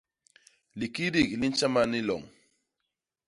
Likidik li ntjama ni loñ.